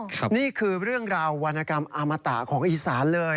นี่คือเรื่องราววรรณกรรมอมตะของอีสานเลย